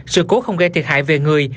sự cố không gây thiệt hại về người